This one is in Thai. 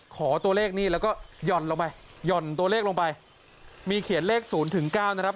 ขอตัวเลขนี่แล้วก็หย่อนลงไปหย่อนตัวเลขลงไปมีเขียนเลขศูนย์ถึงเก้านะครับ